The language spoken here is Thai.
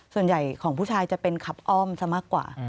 ส่วนใหญ่ของผู้ชายจะเป็นขับอ้อมซะมากกว่า